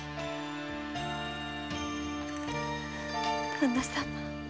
旦那様。